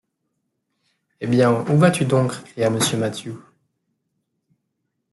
Eh bien, où vas-tu donc? cria Mr. Mathew.